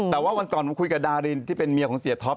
แต่ว่าวันก่อนผมคุยกับดารินที่เป็นเมียของเสียท็อป